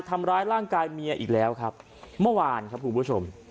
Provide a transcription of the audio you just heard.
ทำร้ายร่างกายเมียอีกแล้วครับเมื่อวานครับคุณผู้ชม